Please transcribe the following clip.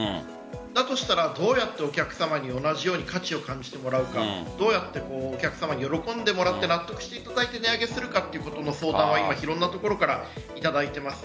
だとしたら、どうやってお客さまに同じように価値を感じてもらうかどうやってお客さまに喜んでもらって納得していただいて値上げするかということの相談はいろんなところからいただいています。